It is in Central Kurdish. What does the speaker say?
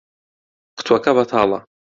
قوتووەکە بەتاڵە.